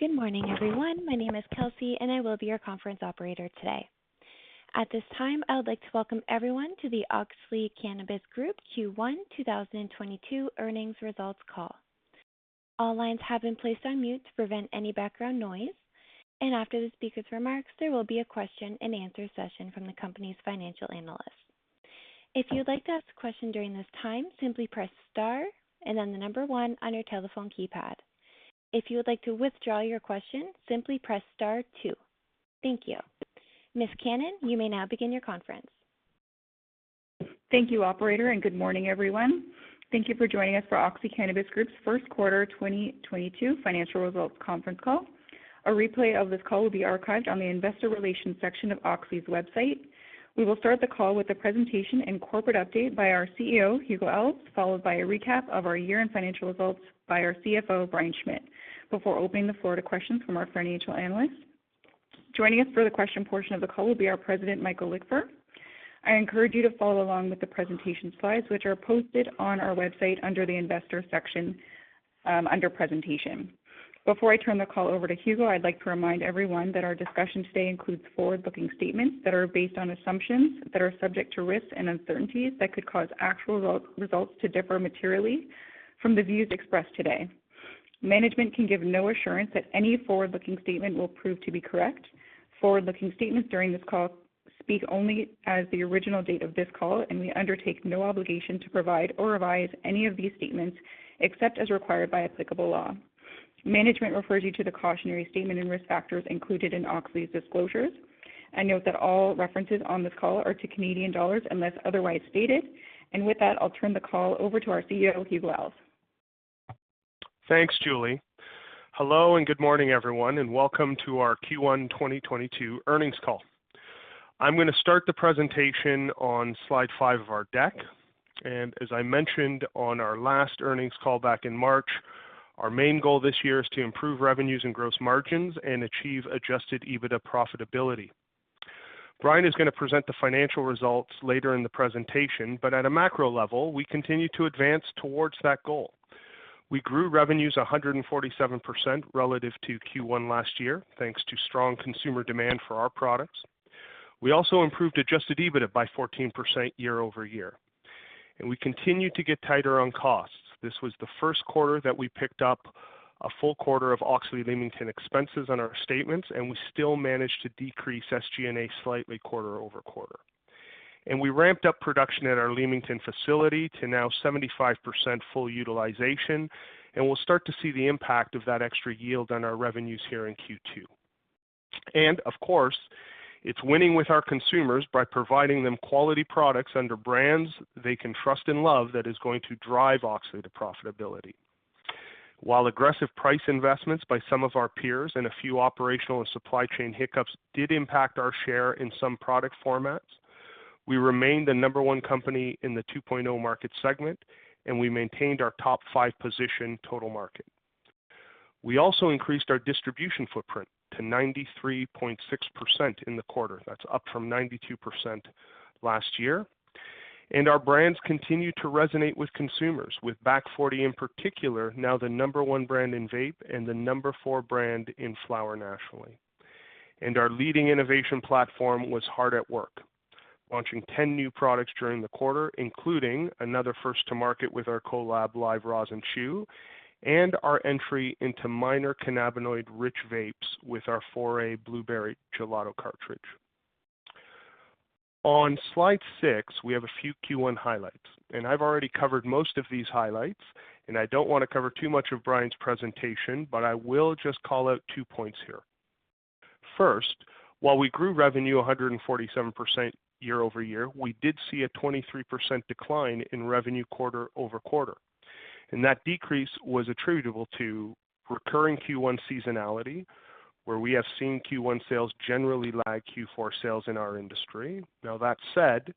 Good morning, everyone. My name is Kelsey and I will be your conference operator today. At this time, I would like to welcome everyone to the Auxly Cannabis Group Q1 2022 Earnings Results Call. All lines have been placed on mute to prevent any background noise, and after the speaker's remarks, there will be a question and answer session from the company's financial analysts. If you'd like to ask a question during this time, simply press star and then the number one on your telephone keypad. If you would like to withdraw your question, simply press star two. Thank you. Ms. Cannon, you may now begin your conference. Thank you, operator, and good morning everyone. Thank you for joining us for Auxly Cannabis Group's Q1 2022 financial results conference call. A replay of this call will be archived on the investor relations section of Auxly's website. We will start the call with a presentation and corporate update by our CEO, Hugo Alves, followed by a recap of our year-end financial results by our CFO, Brian Schmitt, before opening the floor to questions from our financial analysts. Joining us for the question portion of the call will be our President, Michael Lickver. I encourage you to follow along with the presentation slides, which are posted on our website under the investor section, under presentation. Before I turn the call over to Hugo, I'd like to remind everyone that our discussion today includes forward-looking statements that are based on assumptions that are subject to risks and uncertainties that could cause actual results to differ materially from the views expressed today. Management can give no assurance that any forward-looking statement will prove to be correct. Forward-looking statements during this call speak only as of the original date of this call, and we undertake no obligation to provide or revise any of these statements except as required by applicable law. Management refers you to the cautionary statement and risk factors included in Auxly's disclosures, and note that all references on this call are to Canadian dollars unless otherwise stated. With that, I'll turn the call over to our CEO, Hugo Alves. Thanks, Julie. Hello and good morning, everyone, and welcome to our Q1 2022 earnings call. I'm gonna start the presentation on slide five of our deck. As I mentioned on our last earnings call back in March, our main goal this year is to improve revenues and gross margins and achieve adjusted EBITDA profitability. Brian is going to present the financial results later in the presentation, but at a macro level, we continue to advance towards that goal. We grew revenues 147% relative to Q1 last year, thanks to strong consumer demand for our products. We also improved adjusted EBITDA by 14% year-over-year. We continued to get tighter on costs. This was the Q1 that we picked up a full quarter of Auxly Leamington expenses on our statements, and we still managed to decrease SG&A slightly quarter-over-quarter. We ramped up production at our Leamington facility to now 75% full utilization, and we'll start to see the impact of that extra yield on our revenues here in Q2. Of course, it's winning with our consumers by providing them quality products under brands they can trust and love that is going to drive Auxly to profitability. While aggressive price investments by some of our peers and a few operational and supply chain hiccups did impact our share in some product formats, we remained the number one company in the 2.0 market segment, and we maintained our top five position total market. We also increased our distribution footprint to 93.6% in the quarter. That's up from 92% last year. Our brands continued to resonate with consumers, with Back Forty in particular, now the number one brand in vape and the number four brand in flower nationally. Our leading innovation platform was hard at work, launching 10 new products during the quarter, including another first to market with our Kolab Live Rosin Chew and our entry into minor cannabinoid rich vapes with our Foray Blueberry Gelato cartridge. On slide six, we have a few Q1 highlights, and I've already covered most of these highlights, and I don't want to cover too much of Brian's presentation, but I will just call out two points here. First, while we grew revenue 147% year-over-year, we did see a 23% decline in revenue quarter-over-quarter. That decrease was attributable to recurring Q1 seasonality, where we have seen Q1 sales generally lag Q4 sales in our industry. Now that said,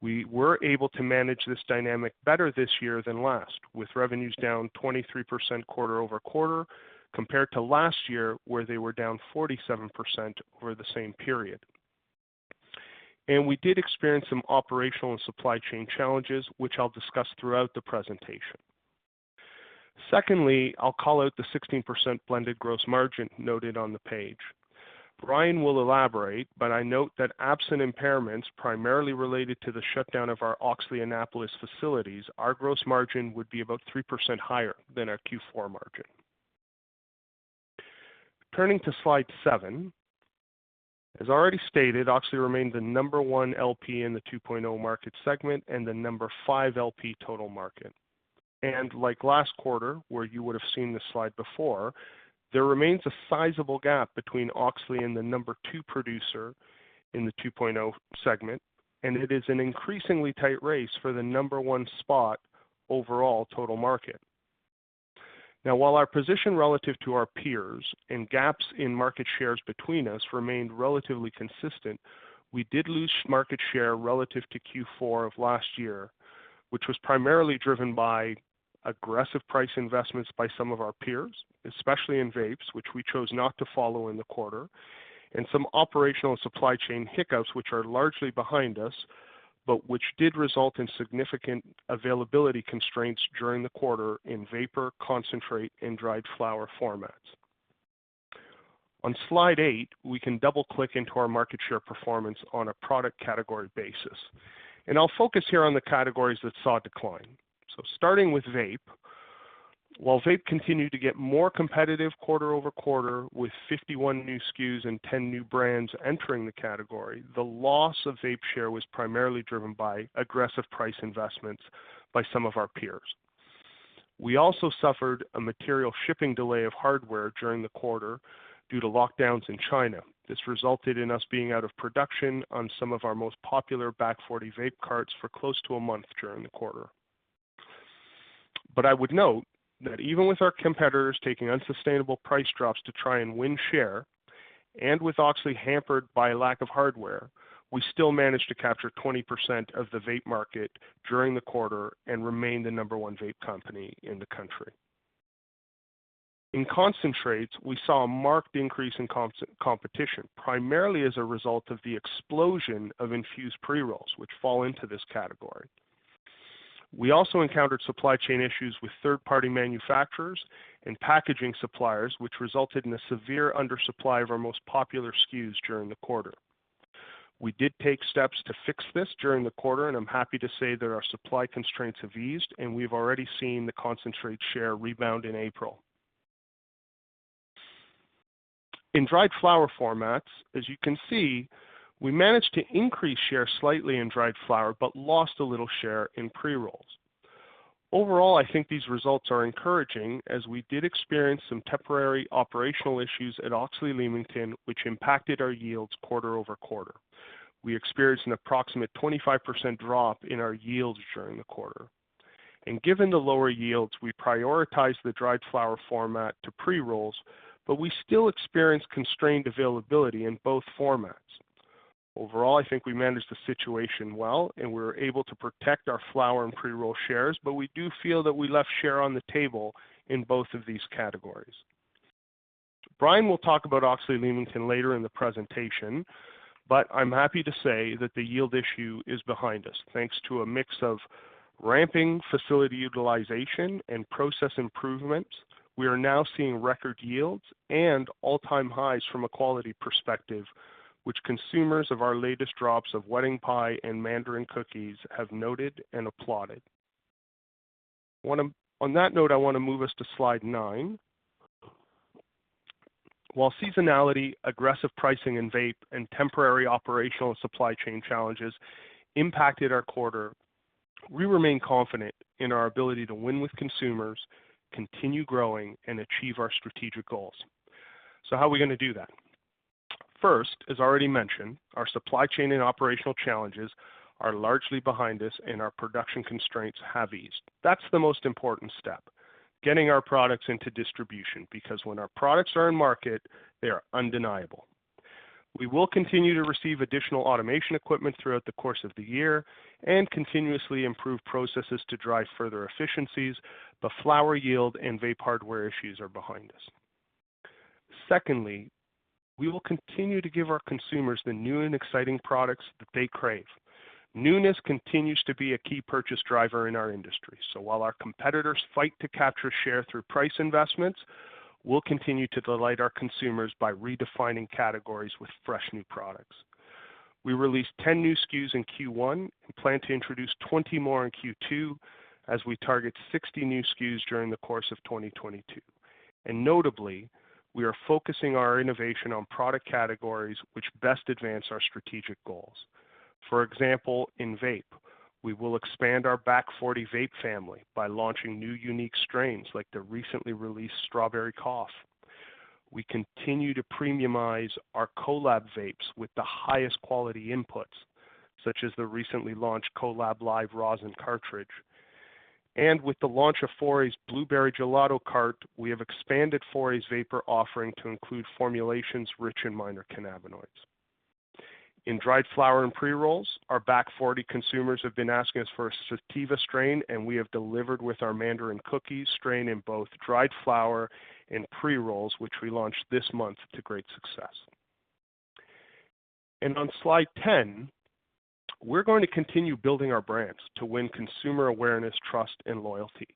we were able to manage this dynamic better this year than last, with revenues down 23% quarter-over-quarter compared to last year where they were down 47% over the same period. We did experience some operational and supply chain challenges, which I'll discuss throughout the presentation. Secondly, I'll call out the 16% blended gross margin noted on the page. Brian will elaborate, but I note that absent impairments primarily related to the shutdown of our Auxly Annapolis facilities, our gross margin would be about 3% higher than our Q4 margin. Turning to slide seven, as already stated, Auxly remains the number one LP in the 2.0 market segment and the number five LP total market. Like last quarter, where you would have seen this slide before, there remains a sizable gap between Auxly and the number two producer in the 2.0 segment, and it is an increasingly tight race for the number one spot overall total market. Now while our position relative to our peers and gaps in market shares between us remained relatively consistent, we did lose market share relative to Q4 of last year, which was primarily driven by aggressive price investments by some of our peers, especially in vapes, which we chose not to follow in the quarter, and some operational supply chain hiccups, which are largely behind us, which did result in significant availability constraints during the quarter in vapor, concentrate and dried flower formats. On slide eight, we can double-click into our market share performance on a product category basis, and I'll focus here on the categories that saw a decline. Starting with vape. While vape continued to get more competitive quarter-over-quarter with 51 new SKUs and 10 new brands entering the category, the loss of vape share was primarily driven by aggressive price investments by some of our peers. We also suffered a material shipping delay of hardware during the quarter due to lockdowns in China. This resulted in us being out of production on some of our most popular Back Forty vape carts for close to a month during the quarter. I would note that even with our competitors taking unsustainable price drops to try and win share, and with Auxly hampered by lack of hardware, we still managed to capture 20% of the vape market during the quarter and remain the number one vape company in the country. In concentrates, we saw a marked increase in competition, primarily as a result of the explosion of infused pre-rolls which fall into this category. We also encountered supply chain issues with third-party manufacturers and packaging suppliers, which resulted in a severe undersupply of our most popular SKUs during the quarter. We did take steps to fix this during the quarter, and I'm happy to say that our supply constraints have eased, and we've already seen the concentrate share rebound in April. In dried flower formats, as you can see, we managed to increase share slightly in dried flower, but lost a little share in pre-rolls. Overall, I think these results are encouraging as we did experience some temporary operational issues at Auxly Leamington which impacted our yields quarter-over-quarter. We experienced an approximate 25% drop in our yields during the quarter. Given the lower yields, we prioritize the dried flower format to pre-rolls, but we still experience constrained availability in both formats. Overall, I think we managed the situation well, and we were able to protect our flower and pre-roll shares, but we do feel that we left share on the table in both of these categories. Brian will talk about Auxly Leamington later in the presentation, but I'm happy to say that the yield issue is behind us. Thanks to a mix of ramping facility utilization and process improvements, we are now seeing record yields and all-time highs from a quality perspective, which consumers of our latest drops of Wedding Pie and Mandarin Cookies have noted and applauded. On that note, I want to move us to slide nine. While seasonality, aggressive pricing in vape, and temporary operational supply chain challenges impacted our quarter, we remain confident in our ability to win with consumers, continue growing, and achieve our strategic goals. How are we going to do that? First, as already mentioned, our supply chain and operational challenges are largely behind us, and our production constraints have eased. That's the most important step, getting our products into distribution, because when our products are in market, they are undeniable. We will continue to receive additional automation equipment throughout the course of the year and continuously improve processes to drive further efficiencies, but flower yield and vape hardware issues are behind us. Secondly, we will continue to give our consumers the new and exciting products that they crave. Newness continues to be a key purchase driver in our industry. While our competitors fight to capture share through price investments, we'll continue to delight our consumers by redefining categories with fresh new products. We released 10 new SKUs in Q1 and plan to introduce 20 more in Q2 as we target 60 new SKUs during the course of 2022. Notably, we are focusing our innovation on product categories which best advance our strategic goals. For example, in vape, we will expand our Back Forty vape family by launching new unique strains like the recently released Strawberry Cough. We continue to premiumize our Kolab vapes with the highest quality inputs, such as the recently launched Kolab Live Rosin cartridge. With the launch of Foray's Blueberry Gelato cart, we have expanded Foray's vapor offering to include formulations rich in minor cannabinoids. In dried flower and pre-rolls, our Back Forty consumers have been asking us for a sativa strain, and we have delivered with our Mandarin Cookies strain in both dried flower and pre-rolls, which we launched this month to great success. On slide 10, we're going to continue building our brands to win consumer awareness, trust and loyalty.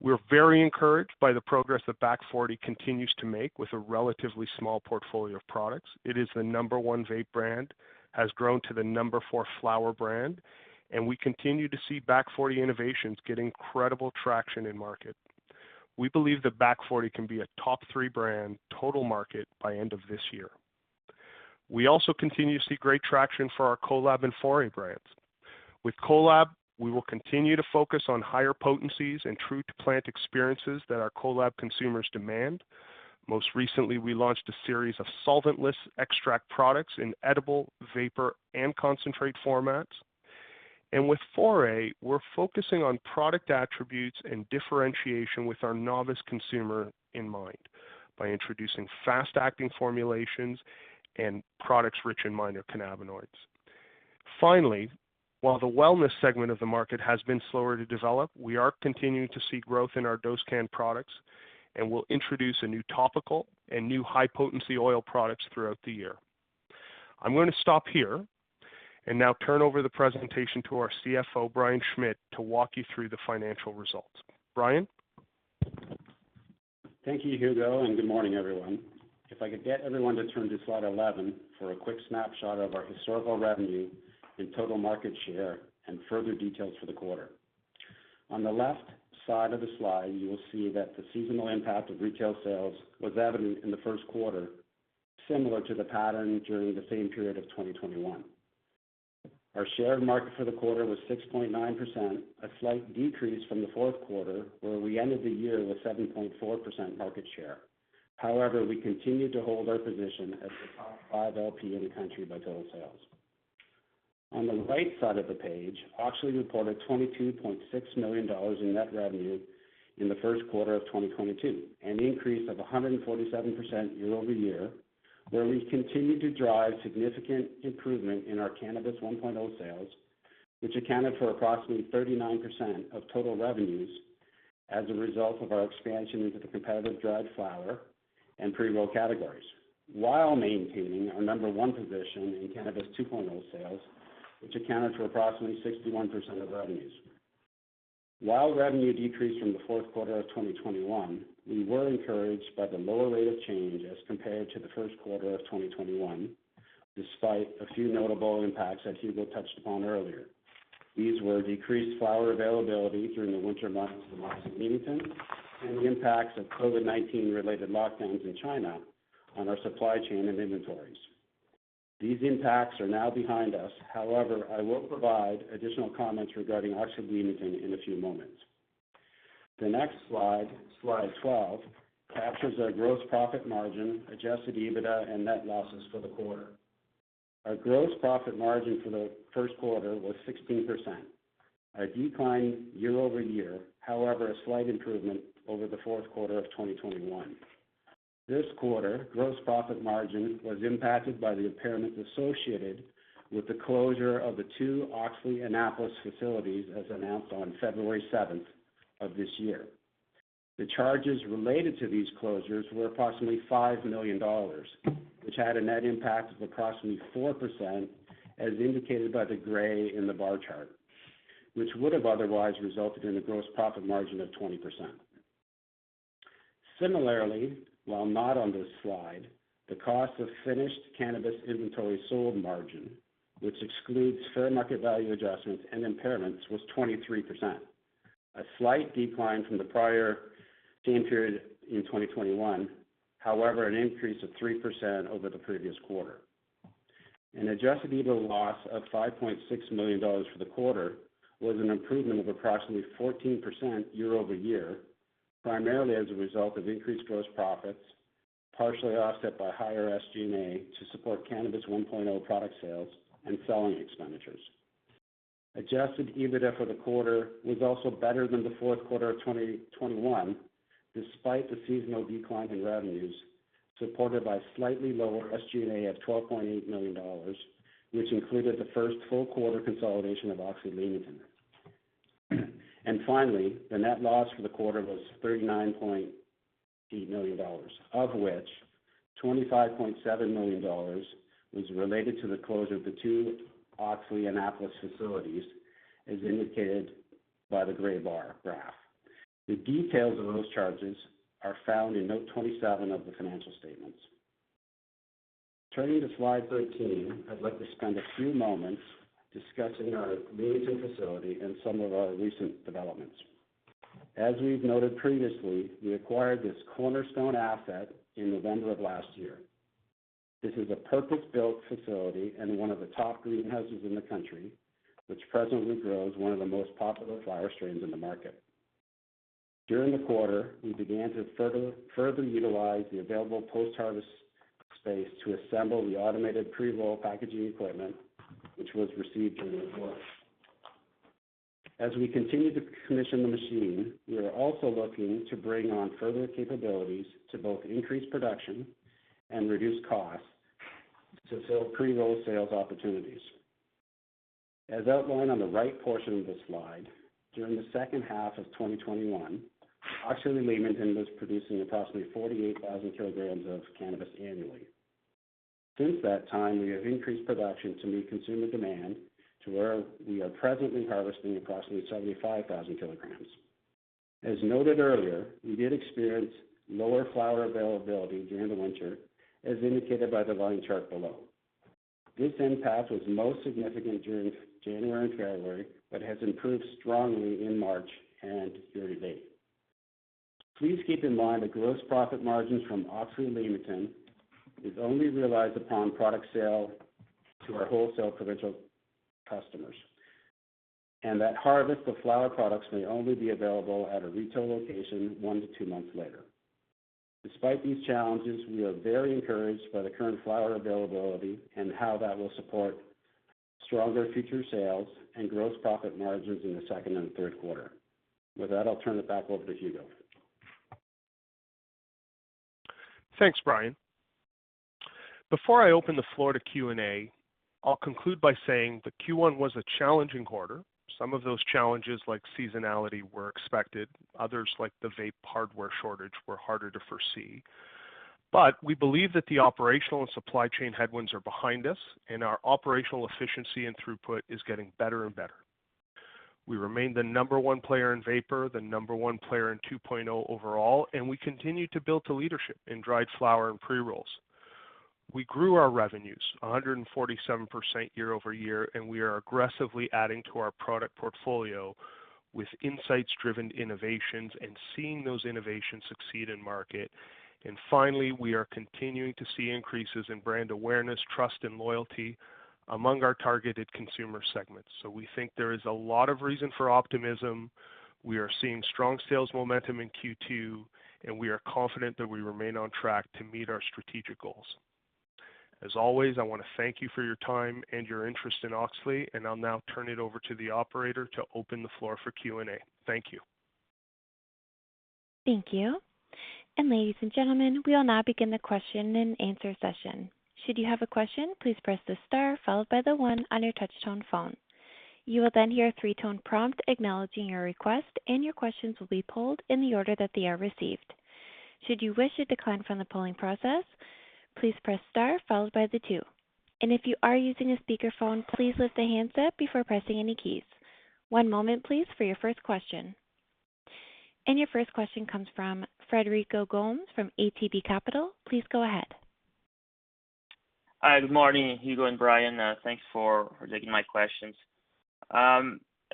We're very encouraged by the progress that Back Forty continues to make with a relatively small portfolio of products. It is the number one vape brand, has grown to the number four flower brand, and we continue to see Back Forty innovations get incredible traction in market. We believe that Back Forty can be a top three brand total market by end of this year. We also continue to see great traction for our Kolab and Foray brands. With Kolab, we will continue to focus on higher potencies and true to plant experiences that our Kolab consumers demand. Most recently, we launched a series of solventless extract products in edible, vapor, and concentrate formats. With Foray, we're focusing on product attributes and differentiation with our novice consumer in mind by introducing fast-acting formulations and products rich in minor cannabinoids. Finally, while the wellness segment of the market has been slower to develop, we are continuing to see growth in our Dosecann products. We'll introduce a new topical and new high-potency oil products throughout the year. I'm going to stop here and now turn over the presentation to our CFO, Brian Schmitt, to walk you through the financial results. Brian. Thank you, Hugo, and good morning, everyone. If I could get everyone to turn to slide 11 for a quick snapshot of our historical revenue and total market share and further details for the quarter. On the left side of the slide, you will see that the seasonal impact of retail sales was evident in the Q1, similar to the pattern during the same period of 2021. Our share of market for the quarter was 6.9%, a slight decrease from the Q4, where we ended the year with 7.4% market share. However, we continued to hold our position as the top five LP in the country by total sales. On the right side of the page, Auxly reported 22.6 million dollars in net revenue in the Q1 of 2022, an increase of 147% year-over-year, where we continued to drive significant improvement in our Cannabis 1.0 sales, which accounted for approximately 39% of total revenues as a result of our expansion into the competitive dried flower and pre-roll categories, while maintaining our number one position in Cannabis 2.0 sales, which accounted for approximately 61% of revenues. While revenue decreased from the Q4 of 2021, we were encouraged by the lower rate of change as compared to the Q1 of 2021, despite a few notable impacts that Hugo touched upon earlier. These were decreased flower availability during the winter months at Leamington and the impacts of COVID-19 related lockdowns in China on our supply chain and inventories. These impacts are now behind us. However, I will provide additional comments regarding Auxly Leamington in a few moments. The next slide 12, captures our gross profit margin, adjusted EBITDA and net losses for the quarter. Our gross profit margin for the Q1 was 16%. A decline year-over-year. However, a slight improvement over the Q4 of 2021. This quarter, gross profit margin was impacted by the impairment associated with the closure of the two Auxly Annapolis facilities as announced on February 7th of this year. The charges related to these closures were approximately 5 million dollars, which had a net impact of approximately 4%, as indicated by the gray in the bar chart, which would have otherwise resulted in a gross profit margin of 20%. Similarly, while not on this slide, the cost of finished cannabis inventory sold margin, which excludes fair market value adjustments and impairments, was 23%, a slight decline from the prior same period in 2021. However, an increase of 3% over the previous quarter. An adjusted EBITDA loss of 5.6 million dollars for the quarter was an improvement of approximately 14% year-over-year, primarily as a result of increased gross profits, partially offset by higher SG&A to support Cannabis 1.0 product sales and selling expenditures. Adjusted EBITDA for the quarter was also better than the Q4 of 2021, despite the seasonal decline in revenues, supported by slightly lower SG&A at 12.8 million dollars, which included the first full quarter consolidation of Auxly Leamington. Finally, the net loss for the quarter was 39.8 million dollars, of which 25.7 million dollars was related to the closure of the two Auxly Annapolis facilities, as indicated by the gray bar graph. The details of those charges are found in note 27 of the financial statements. Turning to slide 13, I'd like to spend a few moments discussing our Leamington facility and some of our recent developments. As we've noted previously, we acquired this cornerstone asset in November of last year. This is a purpose-built facility and one of the top greenhouses in the country, which presently grows one of the most popular flower strains in the market. During the quarter, we began to further utilize the available post-harvest space to assemble the automated pre-roll packaging equipment, which was received during the quarter. As we continue to commission the machine, we are also looking to bring on further capabilities to both increase production and reduce costs to fill pre-roll sales opportunities. As outlined on the right portion of this slide, during the second half of 2021, Auxly Leamington was producing approximately 48,000 kilograms of cannabis annually. Since that time, we have increased production to meet consumer demand to where we are presently harvesting approximately 75,000 kilograms. As noted earlier, we did experience lower flower availability during the winter, as indicated by the line chart below. This impact was most significant during January and February, but has improved strongly in March and year to date. Please keep in mind that gross profit margins from Auxly Leamington is only realized upon product sale to our wholesale provincial customers, and that harvest of flower products may only be available at a retail location one to two months later. Despite these challenges, we are very encouraged by the current flower availability and how that will support stronger future sales and gross profit margins in the second and Q3. With that, I'll turn it back over to Hugo. Thanks, Brian. Before I open the floor to Q&A, I'll conclude by saying that Q1 was a challenging quarter. Some of those challenges, like seasonality, were expected. Others, like the vape hardware shortage, were harder to foresee. We believe that the operational and supply chain headwinds are behind us, and our operational efficiency and throughput is getting better and better. We remain the number one player in vapor, the number one player in 2.0 overall, and we continue to build to leadership in dried flower and pre-rolls. We grew our revenues 147% year-over-year, and we are aggressively adding to our product portfolio with insights-driven innovations and seeing those innovations succeed in market. Finally, we are continuing to see increases in brand awareness, trust and loyalty among our targeted consumer segments. We think there is a lot of reason for optimism. We are seeing strong sales momentum in Q2, and we are confident that we remain on track to meet our strategic goals. As always, I want to thank you for your time and your interest in Auxly, and I'll now turn it over to the operator to open the floor for Q&A. Thank you. Thank you. Ladies and gentlemen, we will now begin the question and answer session. Should you have a question, please press the star followed by the one on your touchtone phone. You will then hear a three tone prompt acknowledging your request, and your questions will be pulled in the order that they are received. Should you wish to decline from the polling process, please press star followed by the two. If you are using a speakerphone, please lift the handset before pressing any keys. One moment please for your first question. Your first question comes from Frederico Gomes from ATB Capital. Please go ahead. Hi. Good morning, Hugo and Brian. Thanks for taking my questions.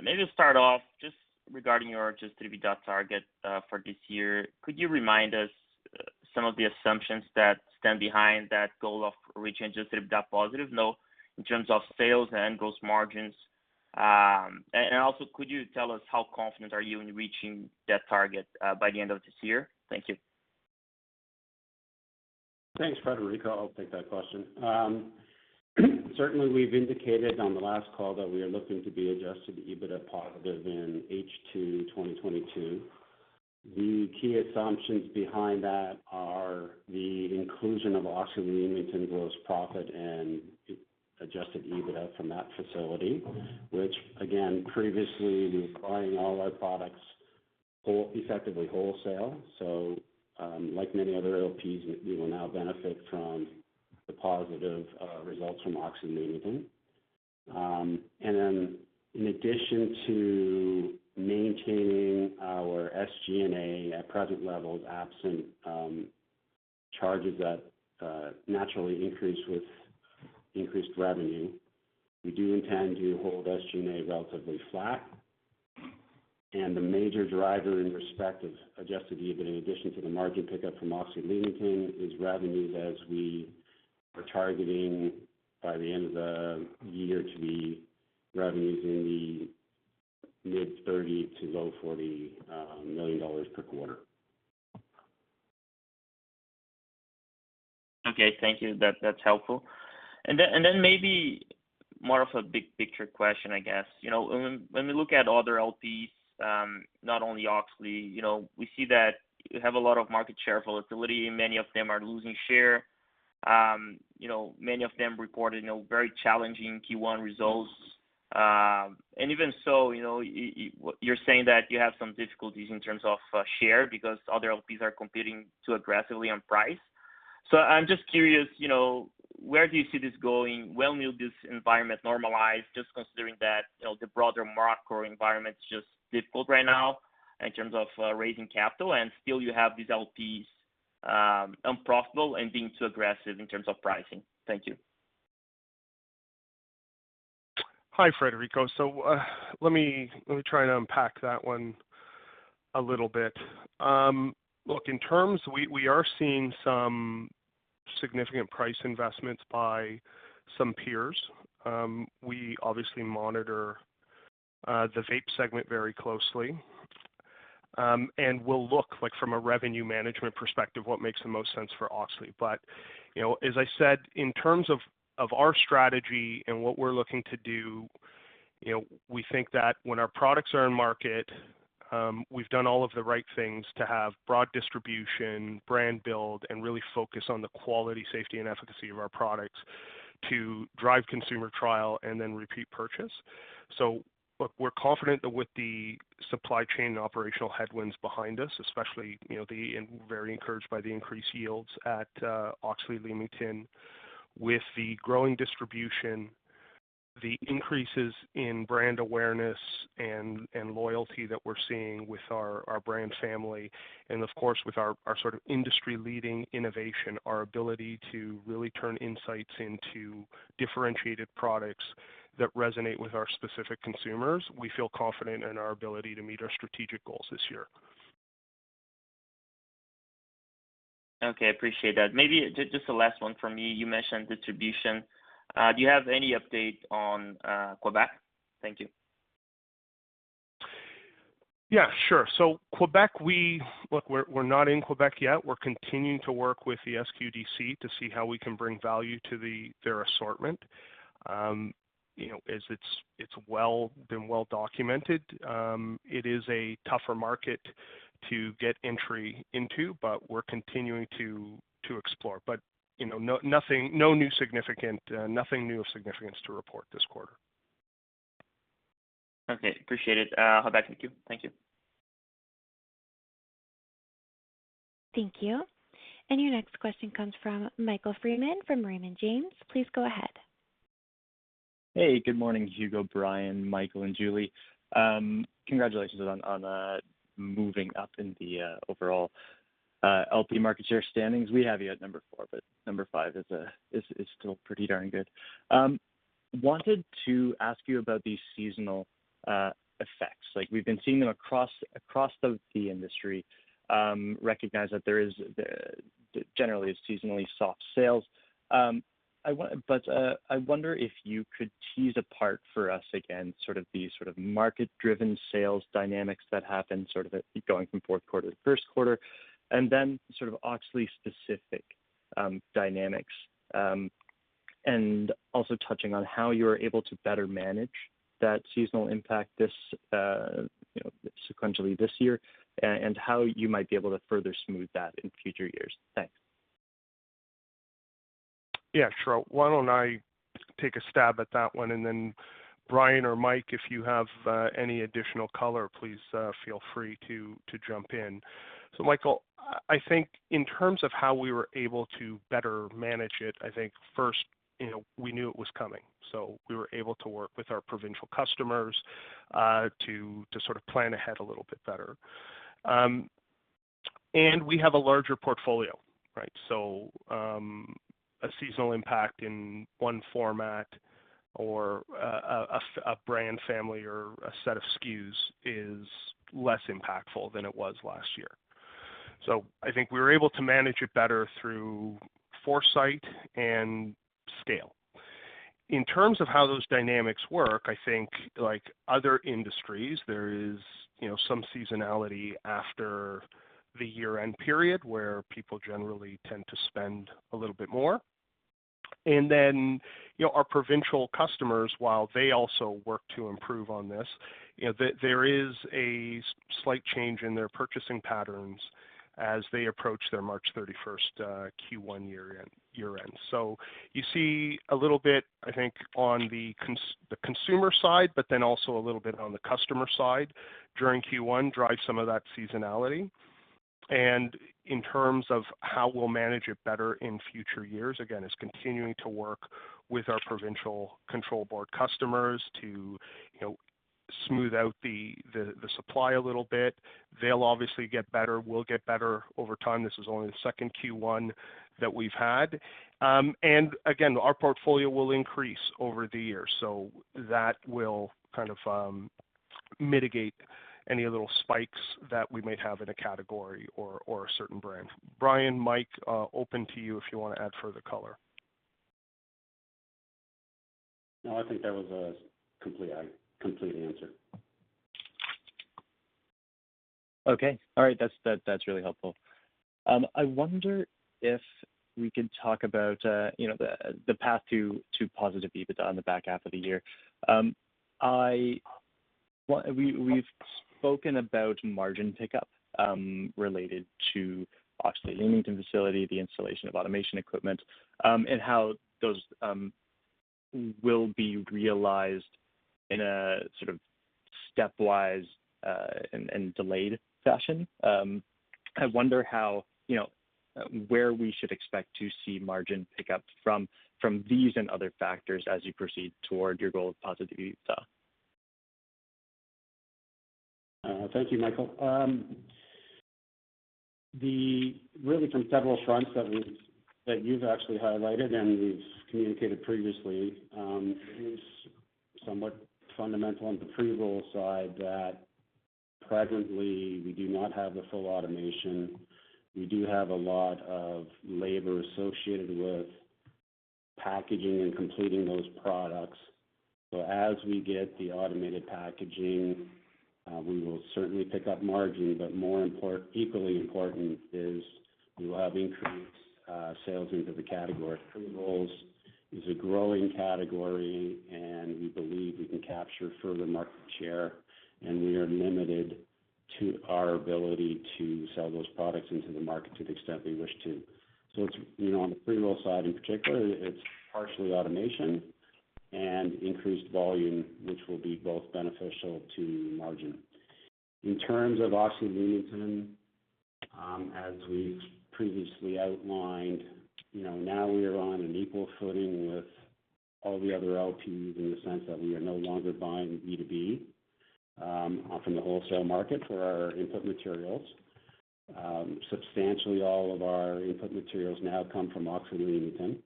Maybe to start off just regarding your adjusted EBITDA target for this year. Could you remind us some of the assumptions that stand behind that goal of reaching adjusted EBITDA positive? You know, in terms of sales and gross margins. And also could you tell us how confident are you in reaching that target by the end of this year? Thank you. Thanks, Frederico. I'll take that question. Certainly we've indicated on the last call that we are looking to be adjusted EBITDA positive in H2 2022. The key assumptions behind that are the inclusion of Auxly Leamington gross profit and adjusted EBITDA from that facility, which again, previously we were buying all our products effectively wholesale. Like many other LPs, we will now benefit from the positive results from Auxly Leamington. Then in addition to maintaining our SG&A at present levels, absent charges that naturally increase with increased revenue, we do intend to hold SG&A relatively flat. The major driver in respect of adjusted EBITDA, in addition to the margin pickup from Auxly Leamington, is revenues as we are targeting by the end of the year to be revenues in the mid- 30 million dollars to low- 40 million dollars per quarter. Okay. Thank you. That's helpful. Maybe more of a big picture question, I guess. You know, when we look at other LPs, not only Auxly, you know, we see that you have a lot of market share volatility. Many of them are losing share. You know, many of them reported, you know, very challenging Q1 results. Even so, you know, you're saying that you have some difficulties in terms of share because other LPs are competing too aggressively on price. I'm just curious, you know, where do you see this going? When will this environment normalize? Just considering that, you know, the broader macro environment's just difficult right now in terms of raising capital, and still you have these LPs, unprofitable and being too aggressive in terms of pricing. Thank you. Hi, Frederico. Let me try to unpack that one a little bit. Look, in terms we are seeing some significant price investments by some peers. We obviously monitor the vape segment very closely. We'll look at, from a revenue management perspective, what makes the most sense for Auxly. You know, as I said, in terms of our strategy and what we're looking to do, you know, we think that when our products are in market, we've done all of the right things to have broad distribution, brand build, and really focus on the quality, safety, and efficacy of our products to drive consumer trial and then repeat purchase. Look, we're confident that with the supply chain and operational headwinds behind us, especially, you know, the... Very encouraged by the increased yields at Auxly Leamington, with the growing distribution, the increases in brand awareness and loyalty that we're seeing with our brand family, and of course, with our sort of industry-leading innovation, our ability to really turn insights into differentiated products that resonate with our specific consumers, we feel confident in our ability to meet our strategic goals this year. Okay. Appreciate that. Maybe just the last one from me. You mentioned distribution. Do you have any update on Quebec? Thank you. Yeah, sure. Quebec, look, we're not in Quebec yet. We're continuing to work with the SQDC to see how we can bring value to their assortment. You know, as it's well documented, it is a tougher market to get entry into, but we're continuing to explore. You know, nothing new of significance to report this quarter. Okay. Appreciate it. I'll hop back in the queue. Thank you. Thank you. Your next question comes from Michael Freeman from Raymond James. Please go ahead. Hey, good morning Hugo, Brian, Michael, and Julie. Congratulations on moving up in the overall LP market share standings. We have you at number four, but number five is still pretty darn good. Wanted to ask you about the seasonal effects. Like, we've been seeing them across the industry, recognize that there is generally seasonally soft sales. I wonder if you could tease apart for us again sort of the market-driven sales dynamics that happen, sort of going from fourth quarter to first quarter, and then sort of Auxly specific dynamics. And also touching on how you're able to better manage that seasonal impact this, you know, sequentially this year, and how you might be able to further smooth that in future years. Thanks. Yeah, sure. Why don't I take a stab at that one, and then Brian or Mike, if you have any additional color, please feel free to jump in. Michael, I think in terms of how we were able to better manage it, I think first, you know, we knew it was coming, so we were able to work with our provincial customers to sort of plan ahead a little bit better. And we have a larger portfolio, right? A seasonal impact in one format or a brand family or a set of SKUs is less impactful than it was last year. I think we were able to manage it better through foresight and scale. In terms of how those dynamics work, I think like other industries, there is, you know, some seasonality after the year-end period where people generally tend to spend a little bit more. You know, our provincial customers, while they also work to improve on this, you know, there is a slight change in their purchasing patterns as they approach their March 31st Q1 year end. You see a little bit, I think, on the consumer side, but then also a little bit on the customer side during Q1, drive some of that seasonality. In terms of how we'll manage it better in future years, again, is continuing to work with our provincial control board customers to, you know, smooth out the supply a little bit. They'll obviously get better. We'll get better over time. This is only the second Q1 that we've had. Again, our portfolio will increase over the year, so that will kind of mitigate any little spikes that we might have in a category or a certain brand. Brian, Mike, open to you if you wanna add further color. No, I think that was a complete answer. Okay. All right. That's really helpful. I wonder if we can talk about the path to positive EBITDA on the back half of the year. We have spoken about margin pickup related to Auxly Leamington facility, the installation of automation equipment, and how those will be realized in a sort of stepwise and delayed fashion. I wonder where we should expect to see margin pick up from these and other factors as you proceed toward your goal of positive EBITDA. Thank you, Michael. The relief from several fronts that you've actually highlighted and we've communicated previously is somewhat fundamental on the pre-roll side that presently we do not have the full automation. We do have a lot of labor associated with packaging and completing those products. As we get the automated packaging, we will certainly pick up margin, but equally important is we will have increased sales into the category. Pre-rolls is a growing category, and we believe we can capture further market share, and we are limited in our ability to sell those products into the market to the extent we wish to. It's, you know, on the pre-roll side in particular, it's partially automation and increased volume, which will be both beneficial to margin. In terms of Auxly Leamington, as we've previously outlined, you know, now we are on an equal footing with all the other LPs in the sense that we are no longer buying B2B from the wholesale market for our input materials. Substantially all of our input materials now come from Auxly Leamington.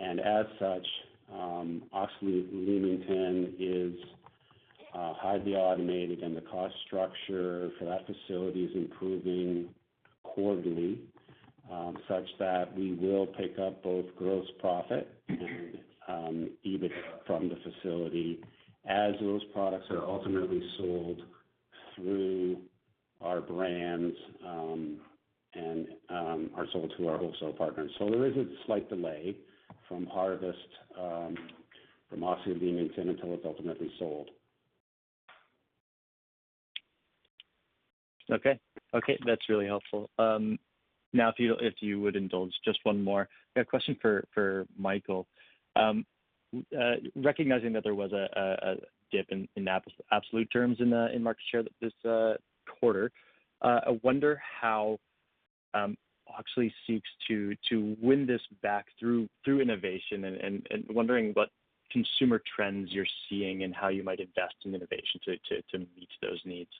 As such, Auxly Leamington is highly automated and the cost structure for that facility is improving quarterly, such that we will pick up both gross profit and EBITDA from the facility as those products are ultimately sold through our brands and are sold to our wholesale partners. There is a slight delay from harvest from Auxly Leamington until it's ultimately sold. Okay. Okay, that's really helpful. Now if you would indulge just one more. I got a question for Michael. Recognizing that there was a dip in absolute terms in the market share this quarter, I wonder how Auxly seeks to win this back through innovation and wondering what consumer trends you're seeing and how you might invest in innovation to meet those needs.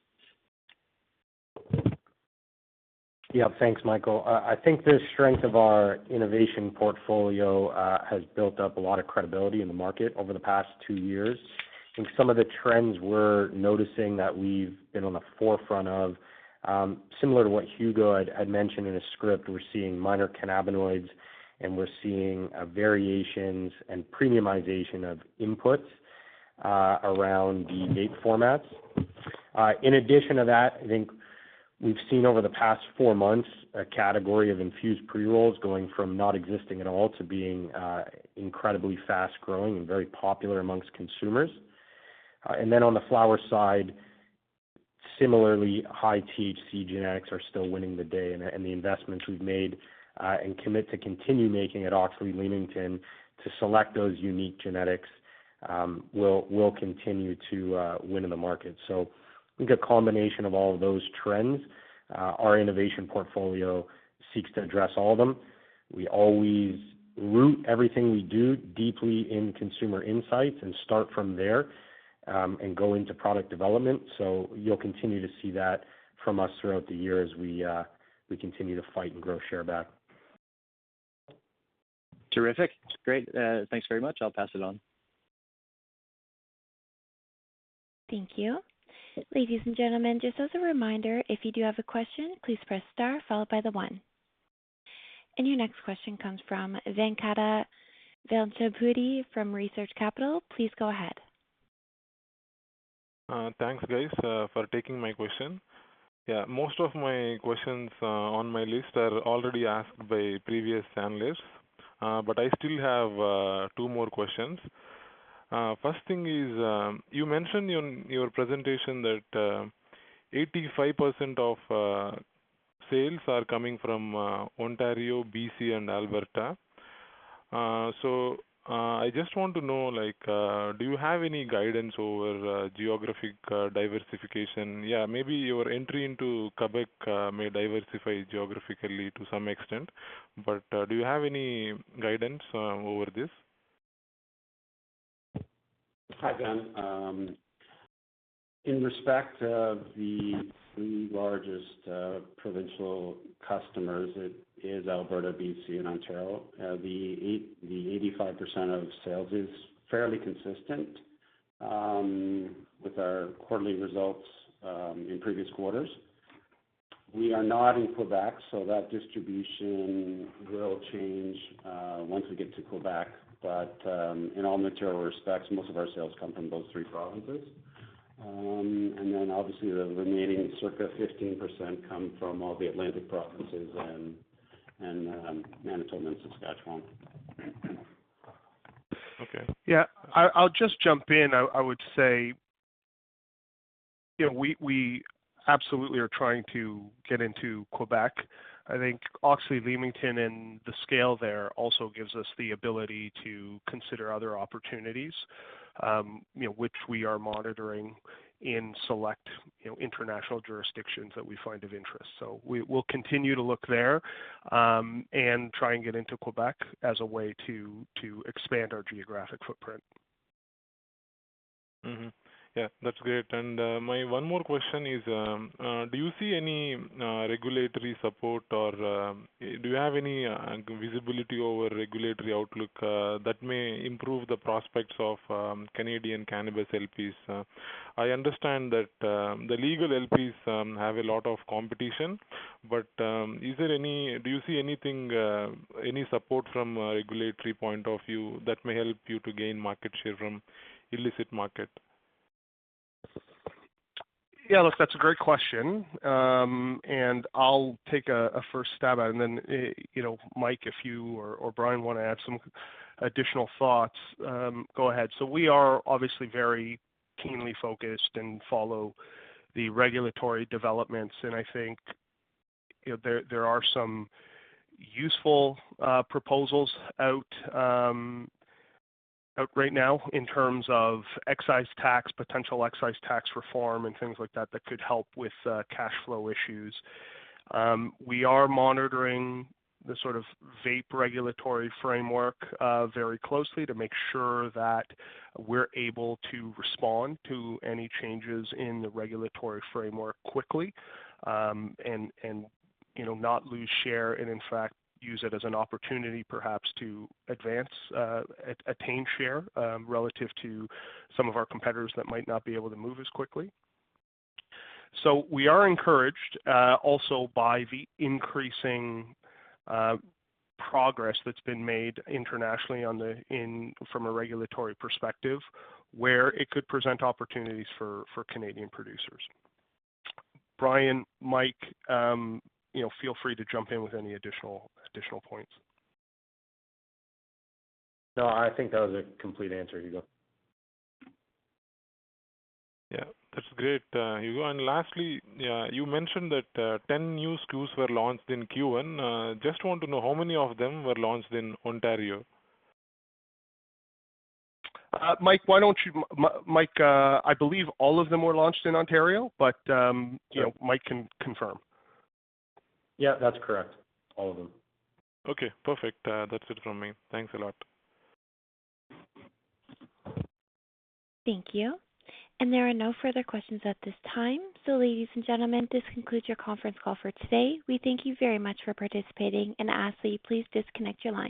Thanks, Michael. I think the strength of our innovation portfolio has built up a lot of credibility in the market over the past two years. I think some of the trends we're noticing that we've been on the forefront of, similar to what Hugo had mentioned in his script, we're seeing minor cannabinoids and we're seeing variations and premiumization of inputs around the vape formats. In addition to that, I think we've seen over the past four months a category of infused pre-rolls going from not existing at all to being incredibly fast-growing and very popular amongst consumers. On the flower side, similarly, high THC genetics are still winning the day and the investments we've made and commit to continue making at Auxly Leamington to select those unique genetics will continue to win in the market. I think a combination of all of those trends, our innovation portfolio seeks to address all of them. We always root everything we do deeply in consumer insights and start from there and go into product development. You'll continue to see that from us throughout the year as we continue to fight and grow share back. Terrific. Great. Thanks very much. I'll pass it on. Thank you. Ladies and gentlemen, just as a reminder, if you do have a question, please press star followed by the one. Your next question comes from Venkata Velicheti from Research Capital. Please go ahead. Thanks guys, for taking my question. Yeah, most of my questions on my list are already asked by previous panelists. But I still have two more questions. First thing is, you mentioned in your presentation that 85% of sales are coming from Ontario, BC and Alberta. So, I just want to know, like, do you have any guidance over geographic diversification? Yeah, maybe your entry into Quebec may diversify geographically to some extent, but do you have any guidance over this? Hi, Ven. In respect of the three largest provincial customers, it is Alberta, BC and Ontario. The 85% of sales is fairly consistent with our quarterly results in previous quarters. We are not in Quebec, so that distribution will change once we get to Quebec. In all material respects, most of our sales come from those three provinces. Obviously the remaining circa 15% come from all the Atlantic provinces and Manitoba and Saskatchewan. Okay. Yeah, I'll just jump in. I would say, you know, we absolutely are trying to get into Quebec. I think Auxly Leamington and the scale there also gives us the ability to consider other opportunities, you know, which we are monitoring in select, you know, international jurisdictions that we find of interest. We'll continue to look there, and try and get into Quebec as a way to expand our geographic footprint. Mm-hmm. Yeah, that's great. My one more question is, do you see any regulatory support or do you have any visibility over regulatory outlook that may improve the prospects of Canadian cannabis LPs? I understand that the legal LPs have a lot of competition, but do you see any support from a regulatory point of view that may help you to gain market share from illicit market? Yeah, look, that's a great question. I'll take a first stab at it and then you know, Mike, if you or Brian wanna add some additional thoughts, go ahead. We are obviously very keenly focused and follow the regulatory developments. I think you know there are some useful proposals out right now in terms of excise tax, potential excise tax reform and things like that could help with cash flow issues. We are monitoring the sort of vape regulatory framework very closely to make sure that we're able to respond to any changes in the regulatory framework quickly. You know, not lose share and in fact, use it as an opportunity perhaps to advance, attain share, relative to some of our competitors that might not be able to move as quickly. We are encouraged also by the increasing progress that's been made internationally from a regulatory perspective where it could present opportunities for Canadian producers. Brian, Mike, you know, feel free to jump in with any additional points. No, I think that was a complete answer, Hugo. Yeah. That's great, Hugo. Lastly, you mentioned that 10 new SKUs were launched in Q1. Just want to know how many of them were launched in Ontario. Mike, I believe all of them were launched in Ontario, but, you know, Mike can confirm. Yeah, that's correct. All of them. Okay, perfect. That's it from me. Thanks a lot. Thank you. There are no further questions at this time. Ladies and gentlemen, this concludes your conference call for today. We thank you very much for participating and ask that you please disconnect your lines.